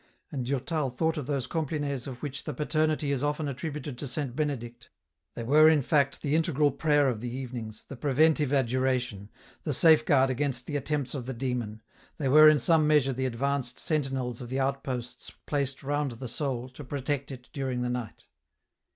And Durtal thought of those Complines of which the paternity is often attributed to Saint Benedict ; they were in fact the integral prayer of the evenings, the preventive adjuration, the safeguard against the attempts of the Demon, they were in some measure the advanced sentinels of the out posts placed round the soul to protect it during the night.